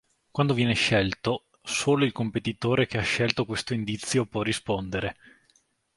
Quando viene scelto, solo il competitore che ha scelto questo indizio può rispondere.